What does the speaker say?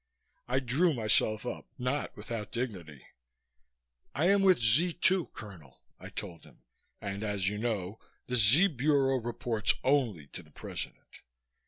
I drew myself up, not without dignity. "I am with Z 2, Colonel," I told him, "and as you know the Z Bureau reports only to the President."